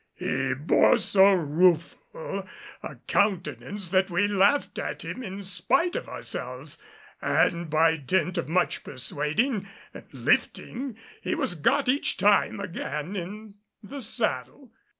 He bore so rueful a countenance that we laughed at him in spite of ourselves, and by dint of much persuading and lifting he was got each time again in the saddle.